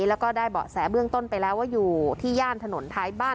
แล้วก็ได้เบาะแสเบื้องต้นไปแล้วว่าอยู่ที่ย่านถนนท้ายบ้าน